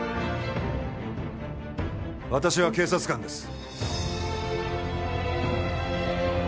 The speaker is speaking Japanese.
私は警察官です。